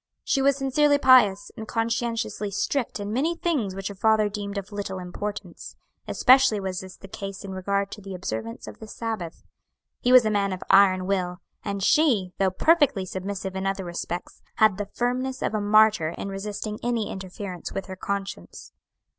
She was sincerely pious, and conscientiously strict in many things which her father deemed of little importance; especially was this the case in regard to the observance of the Sabbath. He was a man of iron will, and she, though perfectly submissive in other respects, had the firmness of a martyr in resisting any interference with her conscience.